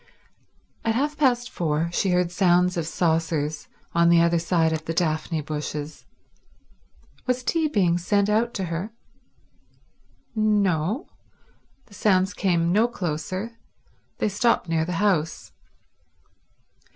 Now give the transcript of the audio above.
At half past four she heard sounds of saucers on the other side of the daphne bushes. Was tea being sent out to her? No; the sounds came no closer, they stopped near the house.